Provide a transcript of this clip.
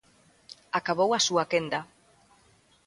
Acabou a súa quenda.